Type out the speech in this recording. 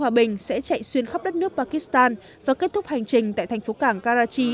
hòa bình sẽ chạy xuyên khắp đất nước pakistan và kết thúc hành trình tại thành phố cảng karachi